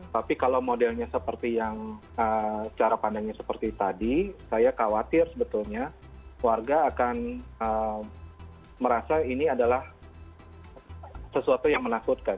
tapi kalau modelnya seperti yang cara pandangnya seperti tadi saya khawatir sebetulnya warga akan merasa ini adalah sesuatu yang menakutkan